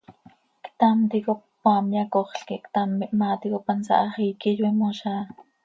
Ctam ticop cmaam yacoxl quij ctam ihmaa ticop hansaa hax iiqui iyoiimoz áa.